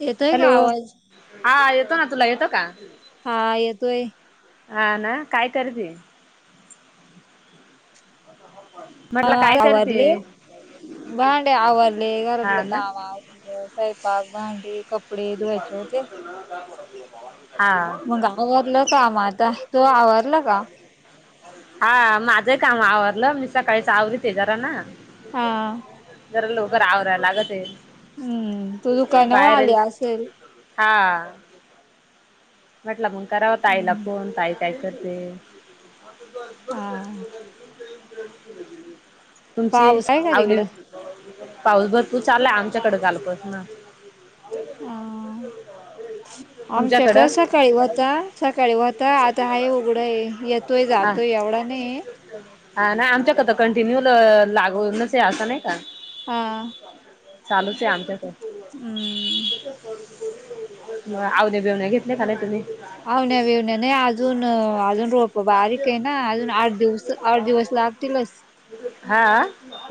येतोय का हॅलो आवाज हा येतो ना तुला येतो का? हा येतोय. हा ना काय करिते? हा म्हटलं काय करते आवरली, भांडे आवरली, हा घरातलं ना काम आवरलं स्वयंपाक, भांडी, कप हा तोह आवरला का? हा माझंही काम आवरलं मी सकाळीच आवरी ते जरा ना हा जरा लवकर आवरायला लागत हम्म तू आहे दुकानावर बाहेर आली असेल हां म्हटलं मग कराव ताईला हम्म फोन ताई काय करते? हा [unintelligible] तुमची पाऊस आहे का अगदी तिकडं पाऊस भरपूर चालायय आमच्याकडे कालपासून ना ह आमच्या कसं तुमच्याकडं सकाळी होता सकाळी होता आता हाय उघडं आहे येतोय जातोय एवढा नाही. ह नाही आमच्याकता कंटिन्यू ल लागवूनच असं नाही का हा चालूचे आमच्या तर हम् मग आवने बिवण्या घेतले का तुम्ही? अवन विवण्या नाही अजून अजून रोप बारीक आहे ना अजून आठ दिवस आठ दिवस लागतीलच ह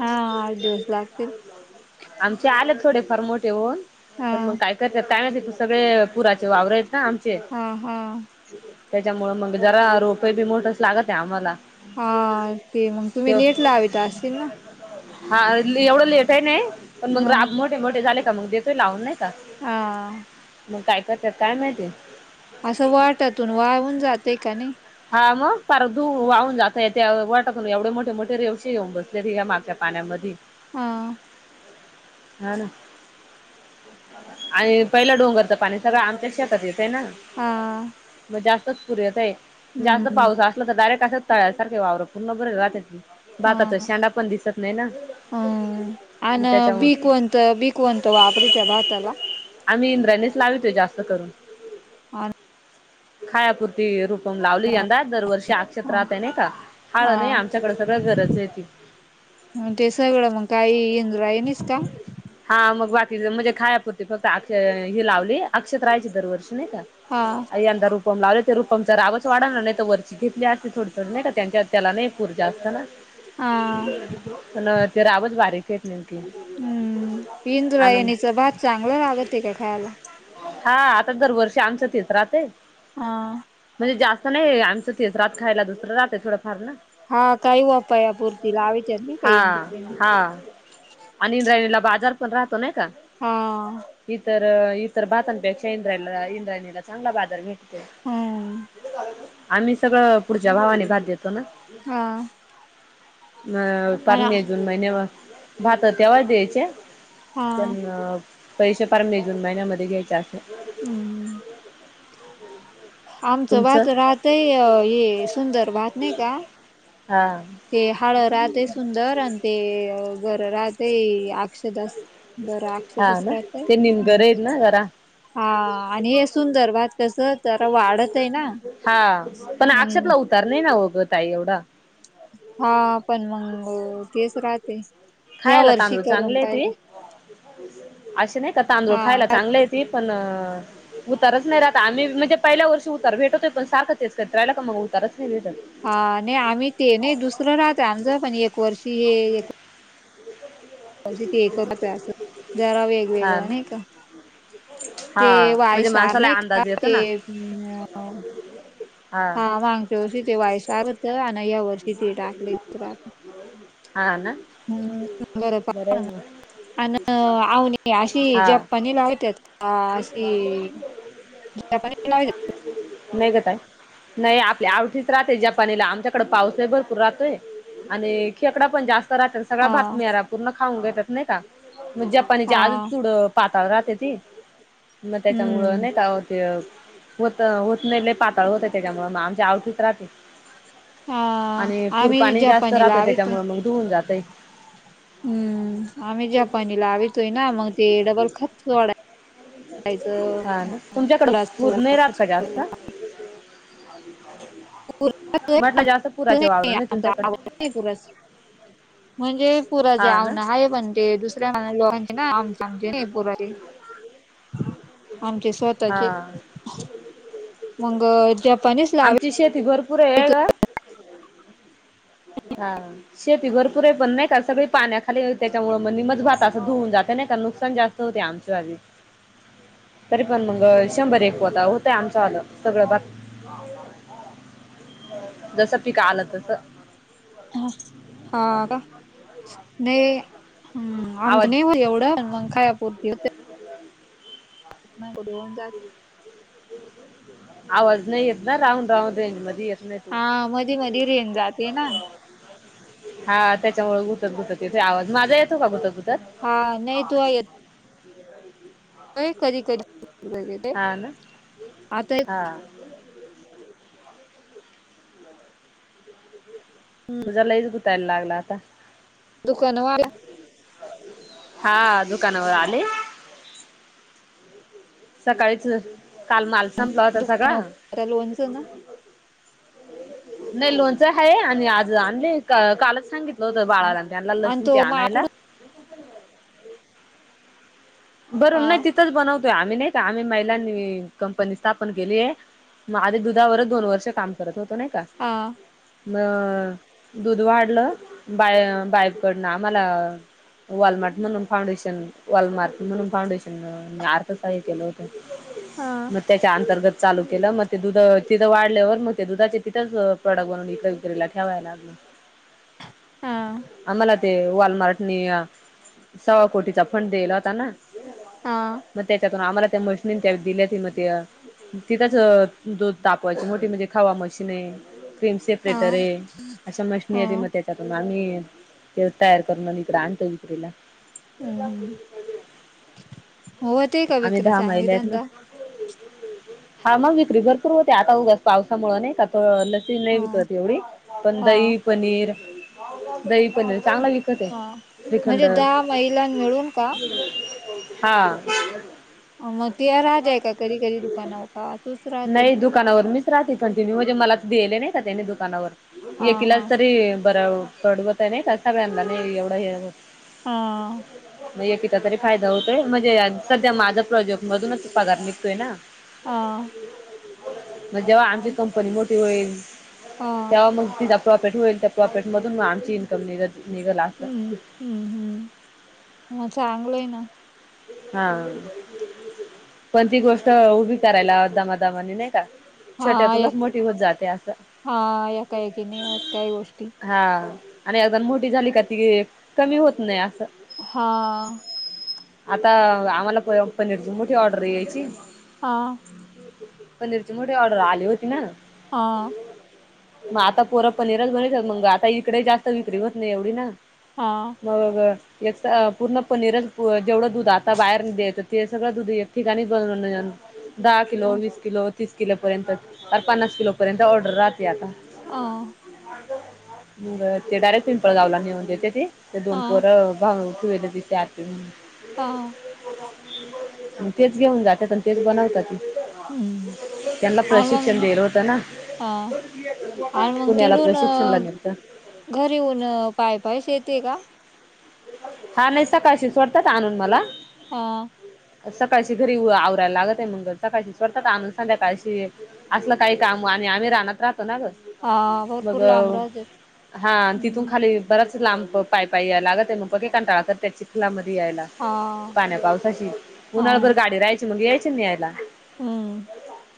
हा आठ दिवस लागतील आमचे आलेत थोडे फार मोठे होन हा पण मग काय करत टामेत सगळे पुराचे वावर येत हा हा त्याच्यामूळ मग जरा रोपये बी मोठर्स लागत आहे आम्हाला हा ते मग तुम्ही ते लेट लावीत असेल ना हा एवढं लेट आहे नाही पण मग मोठे मोठे झाले का मग देतोय लावून नाय हा मग काय करतात काय माहिती असं वाटातून वाहून जाते का नाही हा मग फार दू वाहून जाता येत वाटातून एवढे मोठे मोठे रेवशी घेऊन बसले त मागच्या पाण्यामध्ये ह हा ना आणि पहिलं डोंगरचं पाणी सगळं आमच्या शेतात येतं ना हा मग जास्तच पुर यत आहे जास्त हम्म पाऊस असला तर डायरेक्ट असं तळ्यासारखे वावर पर्ण बर बाकाचा शेडा पण दिसत नाय ना हम आन मग बी त्याच्यामुळे कोणत बि कोणत वापरीताय भाताला आम्ही इंद्रायणीच लावितोय जास्त करून आ खायापुरती रूप लावली यंदा दरवर्षी अक्षत राहत आहे नाही का हाळ नाही हा आमच्याकडे सगळं गरज आहे ती ते सगळं मग काही इंद्रायणी च का हा मग बाकी म्हणजे खायापुरती फक्त अक्ष ही लावली अक्षत राहायची दरवर्षी नाही का हा अय यंदा रूप रूपम लावले ते रुपमचा रागच वाढवला नाही तर वरची घेतली असते थोडी थोडी नाही का त्यांच्या त्याला नाहीऊजा असत ना हा अत रावज बारीकच [unintelligible] हम्म इंद्रायणीच भात चांगलं लागत का खायला हा आता दरवर्षी आमचं तेच राहते हा म्हणजे जास्त नाही आमचं तेस रात खायला दुसर रात आहे थोडंफार ना हा काही वापयापुरती लावीत्यात नाही का हा इंद्रायणी. हा अनिंद्रायणीला बाजार पण राहतो नाय का हा! इतर इतर भातांपेक्षा इंद्रायला इंद्रायणीला चांगला बाजार भे हम्म आम्ही सगळं पुढच्या भावाने भात देतो ना. हा! अ पण हा जून महिन्याव भात तेव्हा द्यायचे? हा पण पैसे फार मे जून महिन्यामध्ये घ्यायचे असत्यात. हम्म! आमचं तुमचं भात राहतय हे सुंदर भात नाही का हा! ते हळ राहतय सुंदर आणि ते घर राहतय हाव ना ते निम घर हम्म आहेत ना जरा. हा आणि हे सुंदर भात कसं तर वाढतय ना! हा पण हम्म आक्षतला उतार नाही ना वगं ताई एवढं? हा पण मंग तेच राहते. या खायला वर्षी तांदूळ करून चांगले आहे पाहिले ते असे नाही का तांदूळ हा खायला चांगलेयत. ते पण उतारच नाही राहता आम्ही म्हणजे पहिल्या वर्ष उतार भेटतो पण सारखं तेच करत राहिला का मग उतारच नाही भेटत. हा नाही आम्ही ते नाही दुसरं राहत आमचं पण एक वर्षी हे [unintelligible] तेक करतोय आस जरा वेग हा वेगळा ना नाय का? ते हा वाय म्हणजे सार माणसाला नाही का अंदाज येतो ते ना अ हा मागच्यावरशी ते वायस आलं तर आण या वर्षी ते टाकलय हा ना बरं हम्म! आहे मग अन आवणी अशी हा जपानी लावीत्यात अशी [unintelligible] नाय का काय? नाही आपल्या आवटीच राहते जपानीला आमच्या इकड पाऊस लय भरपूर राहतोय आणि खेकडा पण जास्त राहतेन सगळा हा भात मेला पूर्ण खाऊन घेतात नाही का मग जपानीची आजच हा चुड पाताळ राहते ती. मग त्याच्यामुळं हम्म नाही का हो ते होत होत नाही लइ पातळ होत त्याच्यामुळे मग आमच्या आवठीत राहते. हा आणि पूर आम्ही पाणी जास्त जपानी राहतय लावितो त्याच्यामुळे मग धुऊून जातय. हम्म आम्ही जपानी लावितोय ना मग ते डबल खत सोडाय हा ना तुमच्याकडं पुर नाही राहात का जास्त? म्हटलं जास्त पुराचे वावर नाही तुमच्याकड. पुराच, म्हणजे पुराचे हा ना अवन आहे पण ते दुस दुसऱ्या लोकाचे ना आमची नाय पुराची. आमचे हा स्वतःचे मग जपानीच लावी ची शेती भरपूर आहे का ग! शेती भरपूरे पण नाही का सगळी पाण्याखाली त्याच्यामुळे म निम्म भात असं धुऊन जाते नाही का नुकसान जास्त होते आमच्या आदी. तरी पण मग शंभर एक पोत होतय आमचं आलं सगळं भात. जस पिक आलं तस ह हा का नाही हम्म आमचं आवाज नाही हो एवढं मग खायापुरती धुऊन जात. आवाज नाही येत ना राहून राहून रेंज मध्ये. येत नाही तू हा मधी मधी रेंज जाते ना. हा त्याच्यामुळे गुतत गुतत येतोय आवाज. माझा येतोय का गुतत गुतत? हा नाही तू येत ह कधी कधीेत आता हा तुझा लईच गुतायला लागला आता दुकान वा हा दुकानावर आले सकाळीच काल माल संपला होता सगळां तररा लोनचं ना नाही लोणच आहे आणि आज आणले कालच सांगितलं होत बाळाला त्यांना आणि लसीण ते तो आणायला माकूड बर हा नाही तिथंच बनवतोय आम्ही नाही आम्ही महिलांनी कंपनी स्थापन केली आहे मग आधी दुधावरच दोन वर्ष काम करत होतो नाही का ह म दूध वाढलं बाय बाईबकडनं आमला वालमार्ट म्हणून फाउंडेशन वालमार्ट म्हणून फाउंडेशन अर्थ साहितलं होत हा म त्याच्या अंतर्गत चालू केलं मग ते दुध तिथं वाढल्यावर मग ते दुधाचे तिथंच प्रॉडक्ट बनवून इथं ठेवाय लाग हा आ्हाला ते वाॉलमार्टनी सव्वा कोटीचा फंड दिला होता ना हा म त्याच्यातून आम्हाला तेमुळे त्या दिल्यात मग ते तिथंच दूध तापयची मोठी म्हणजे खावा मशीन आहे क्रीम सेपरेटर हा आहे अशा मशनी आहे हा मग त्या कार आम्ही तेव तयार करून म्ह इकडे आणतो इिकडेला हम. हो ते का आम्ही विक्री दहा चांगली महिलेत ना. धंदा हा मग विक्री भरपूर होते आता उगच पावसामुळे नाही का ल नाही हा विकत एवढी पण हा दही पनीर दही पनीर चांगला व हा म्हणजे दहा महिलां मिळून का हा मग ते राहतय का कधी कधी दुकानावर का तूच राहते नाही दुकानावर मीच राहते कंटिन्यू म्हणजे मला दिले नाही का त्यानी दुकानावर हा हा एकिलाच तरी बर पडवत आहे नाही कसा वमला एवढं हे हा म एक किचा तरी फायदा होतोय म्हणजे सध्या माझा प्रोजेक्ट मधूनच पगार निघतोय ना हा मग जेव्हा आमची कंपनी मोठी होईल हा तेव्हा मग तिचा प्रॉफिट होईल त्या प्रॉफिटमधून म आमची इन्म निघ हम्म हम्म हम्म ह चांगलं आहे ना हा पण ती गोष्ट उभी करायला दमादामाने नाही का हा या छोट्यातूनच मोठी होत जाते असं हा या काय की नाही होत काय गोष्टी हा आणि अदण मोठी झाली का ती कमी होत नाही असं. हा आता आम्हाला पनीरची मोठी ऑर्डर यायची. ह पनीरची मोठीे ऑर्डर आली होती ना हा मग आता पोरप पनीरच बनयच मग आता इकडे जास्त विक्री होत नाही एवढी ना हा मगग एकक्स पूर्ण पनीरल जेवढं दुध आता बाहेर देत ते सगळं दुध एक ठिकाणी बन दहा किलो हा वीस किलो तीस किलोपर्यंत तर पन्नास किलोपर्यंत ऑर्डर राहते आता. अ बर ते डायरेक्ट पिंपळ गावला नेऊन देते ते ते दोन हां, पोरं [unintelligible] तिथ आत म्हण हा मग तेच घेऊन जातात आणि तेच बनवतात हं. ते त्यांला आणि प्रशिक्षण मग देइल होत ना? हां. आणि मग पुण्याला तिडून प्रशिक्षण ला अ, गेलंत. घरी येऊन पायपायस येते का? हा नाही सकाळशी सोडतात आणून मला. हा सकाळशी घरी येऊ आवरायला लागत आहे मंगल सकाळशी सोडतात आणून संध्याकाळशी. असलं काही काम आणि आम्ही रानात राहतो ना ग हां. मग भरपूर लांब राहते. हा तिथून हं. खाली बराच लांब पायपाइ यायला अगं ते मग पक कंटाळा तर त्या चिखलामध्ये यायला. हां, पाण्या पावसाची उन्हाळ भर गाडी राहायची मग यायची नाह न्यायला. हम.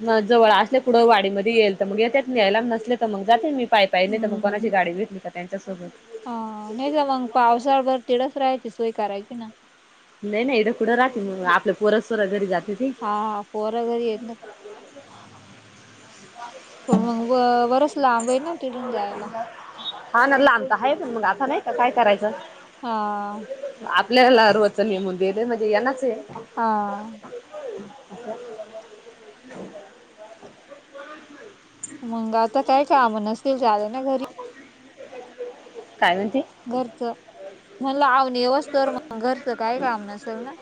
म जवळ असल्या पुढं वाडीमध्ये येईल तर मग त्यात न्यायला नसले तर मग जाते मी. पायपाय नाही तर मग कोणाची गाडी भेटली का त्यांच्यासोबत. ह नाही ग मग पावसाळभर तिडच राहायची सोय करायची ना? नाही नाही इडं कुठं राहते मग आपल्या पोरसोरा घरी जात्यात हे. हाा पोर घरी येत ना का? पण मग व वरच लांब आहे ना तिडून जायला. हा ना ला तर आहेच मग आता नाही का काय करायचं? ह. आपल्याला रोचन ये मग दिलं म्हणजे यांनाच ये. हां. मंग आता काय काम नसतील ज्यादा ना घरी? काय म्हणती? घरचं, म्हणलं आवनी येवच तवर मग घरचं काय काम नसेल ना?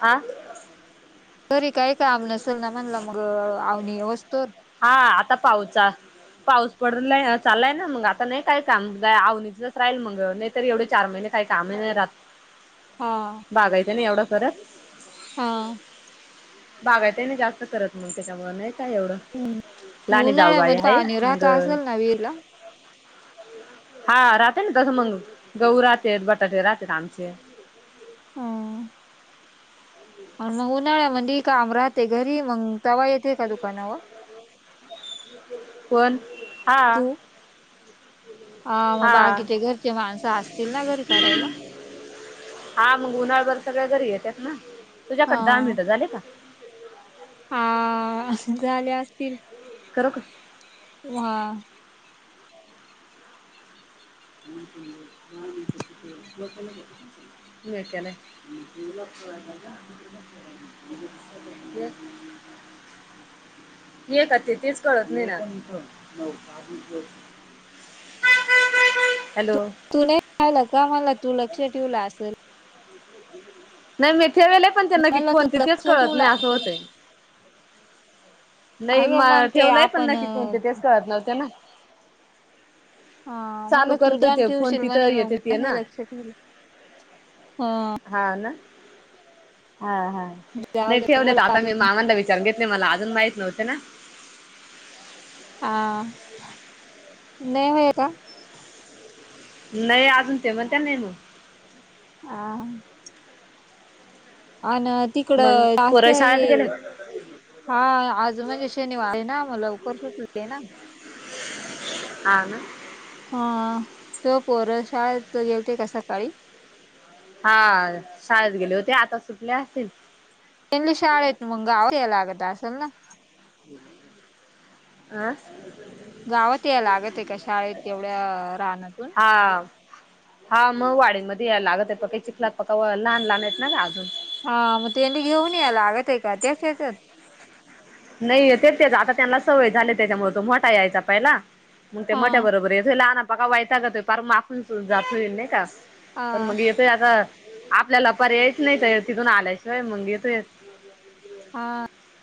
आ? घरी काय काम नसल ना म्हणलं मग आवनी येवोस्टवर? हा आता पाहुचा. पाऊस पडून लय चालाय ना मग आता नाही काय काम आवणीचच राहील मग तरी एवढे चार महिने काही कामही नाही रात. हा बगायचं नाही एवढं करत [unintelligible] हा बगायचय नाही जास्त करत मग त्याचमुळं नाही काय एवढं. हम्म लहानी जाऊबाई उन्हाळ्यामध्ये आहे पाणी मग राहता असेल ना विहिरीला? हा राहते ना तस मग गहू राहते बटाटे राहते आमचे. ह आन उन्हाळ्यामध्ये काम राहते घरी मग तवा येते का दुकानावर? कोण? हा. अ मग हा बाकीचे घरचे माणसं असतील ना घरी करायला? हा मग उन्हाळभर सगळे घरी येतात ना तुझ्याकडे दहा हा. मिनिटं झाली का? हा. झाली असतील करु का? व हा [unintelligible] म काले. ज हे का ते तेच कळत नाहीणार. हॅलो! तू नाही पाहिला का मला तू लक्ष ठेवला असेल. नाही मेथे वेले पण ते नक् ककी मला तू कोन तिथेच लक्ष कळत ठेवलं नाही असं असेल. होतय. नाही म अगं मग ते ठेवलाय पण आपण नक्की कोणते तेच करळत नव्हते ना. हा चालू मला करतोय तुडान ते ठेव फोन शील तिथं म्हनून मग येते ते नाही ना लक्षातलं हा. हा ना हा हा जाऊ नाही दे तेेवले बोला काता अजून मी मामां विच सांगितले मला अजून माहीत नव्हते ना. हा नाही होय का? नाही अजून ते म्हण त्या नाही म ह. अ तिकडं मग जास्त पोरं ये शाळेत गेले हा आज म्हणजे शनिवार आहे ना मग लवकर सुचले ना. ह ना. हा तो पोरशाळ येवते का सकाळी. हा शाळेत गेले होते आता सुटले असतील. इनल शाळ येत मुंगलगत असल ना. हम्. हं गावात यायला लागत आहे का शाळेत तेवढ्या रानातून हा. हा मग वाडीमध्ये यायला लागत आहे प चिखलात पक्का लहान लहान येत ना अजून. हा मग तेनी घेऊन याला लागत आहे का त्या याचत. नाही ते तेच आता त्यांना सवय झाली त्याच्यामु तो मोठा यायचा पहिला. मग ते हा मोठ्या बरोबर आहेथनापाका वयचा ग तोय पार माफून जात होईल नाही का. पण हा मग येतोय आता आपल्याला पर यायच नाही तर तिथून आल्याशिवाय मग येतोय. हा